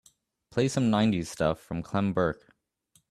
Play some nineties stuff from Clem Burke.